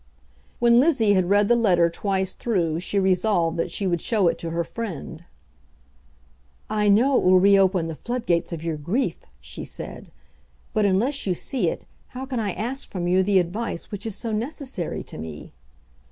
When Lizzie had read the letter twice through she resolved that she would show it to her friend. "I know it will reopen the floodgates of your grief," she said; "but unless you see it, how can I ask from you the advice which is so necessary to me?"